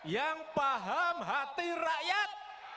yang paham hati rakyat